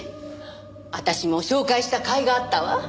私も紹介した甲斐があったわ。